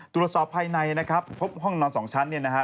ตรวจสอบภายในนะครับพบห้องนอน๒ชั้นเนี่ยนะฮะ